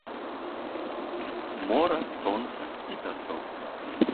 Мора, сонца і пясок.